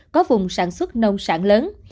có vùng sản xuất nông sản lớn